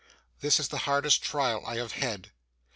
'This is the hardest trial I have had.